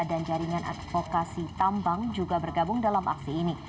dan jaringan advokasi tambang juga bergabung dalam aksi ini